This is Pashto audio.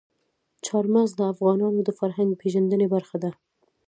چار مغز د افغانانو د فرهنګي پیژندنې برخه ده.